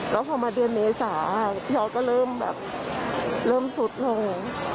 แล้วพอมาเดือนเมษายอดก็เริ่มแบบเริ่มสุดลง